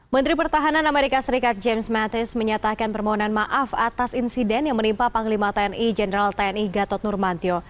menteri pertahanan amerika serikat james mattis menyatakan permohonan maaf atas insiden yang menimpa panglima tni jenderal tni gatot nurmantio